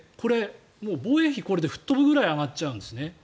防衛費、これで吹っ飛ぶくらい上がっちゃうんですね。